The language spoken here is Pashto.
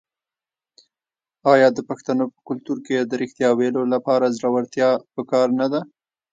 آیا د پښتنو په کلتور کې د ریښتیا ویلو لپاره زړورتیا پکار نه ده؟